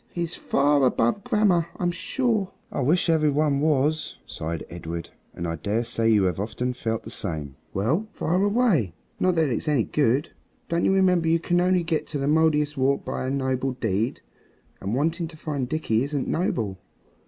He's far above grammar, I'm sure." "I wish every one was," sighed Edred, and I dare say you have often felt the same. "Well, fire away! Not that it's any good. Don't you remember you can only get at the Mouldiestwarp by a noble deed? And wanting to find Dickie isn't noble."